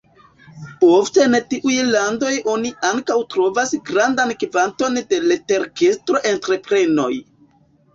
Ofte en tiuj landoj oni ankaŭ trovas grandan kvanton de leterkesto-entreprenoj.